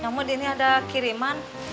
nyomud ini ada kiriman